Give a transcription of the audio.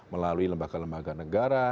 melalui lembaga lembaga negara